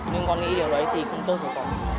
nhưng con nghĩ điều đấy thì không tốt cho con